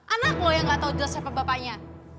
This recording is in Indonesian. anak lo yang enggak tahu jelas siapa bapaknya